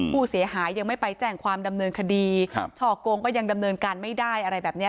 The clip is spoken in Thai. ผู้เสียหายยังไม่ไปแจ้งความดำเนินคดีช่อกงก็ยังดำเนินการไม่ได้อะไรแบบนี้